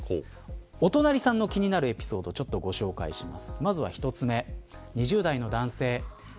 お隣さんの気になるエピソードをご紹介します。